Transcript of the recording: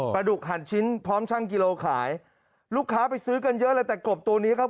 ดุกหันชิ้นพร้อมช่างกิโลขายลูกค้าไปซื้อกันเยอะเลยแต่กบตัวนี้ครับ